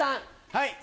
はい。